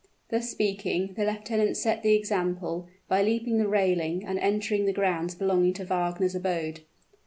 Thus speaking, the lieutenant set the example, by leaping the railing, and entering the grounds belonging to Wagner's abode.